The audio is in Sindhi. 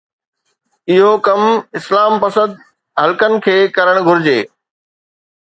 اهو ڪم اسلام پسند حلقن کي ڪرڻ گهرجي.